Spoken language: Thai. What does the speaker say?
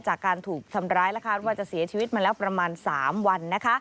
จากการถูกทำร้ายและคาดว่าจะเสียชีวิตมาแล้วประมาณ๓วัน